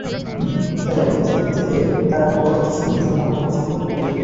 তাই অতীত রেকর্ড থেকে তারা কতটা সুবিধা পাবে সময়ই বলে দেবে তা।